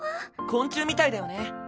昆虫みたいだよね。